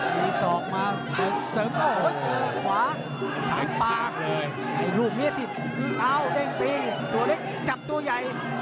มีสองมากอ๋อขวางหลายปากเลยไอ้ลูกเมียติดอ้าวเด้งปีตัวเล็กกลับตัวใหญ่